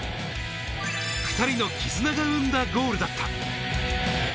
２人の絆が生んだゴールだった。